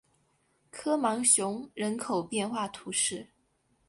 科芒雄人口变化图示